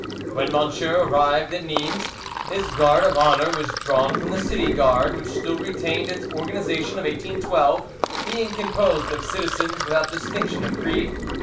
When Monsieur arrived at Nimes, his guard of honour was drawn from the city guard, which still retained its organisation of 1812, being composed of citizens without distinction of creed.